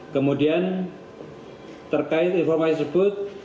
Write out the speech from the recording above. kemudian terkait informasi tersebut